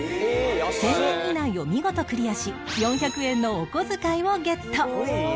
１０００円以内を見事クリアし４００円のお小遣いをゲット